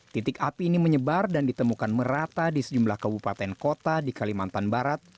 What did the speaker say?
titik api ini menyebar dan ditemukan merata di sejumlah kabupaten kota di kalimantan barat